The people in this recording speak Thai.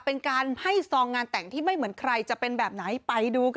เป็นการให้ซองงานแต่งที่ไม่เหมือนใครจะเป็นแบบไหนไปดูค่ะ